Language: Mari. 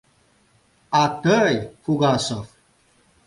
— А тый, Фугасов!..